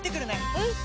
うん！